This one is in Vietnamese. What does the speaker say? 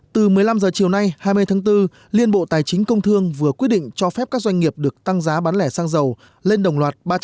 từ một mươi năm h chiều nay hai mươi tháng bốn liên bộ tài chính công thương vừa quyết định cho phép các doanh nghiệp được tăng giá bán lẻ sang giàu lên đồng loạt ba trăm năm mươi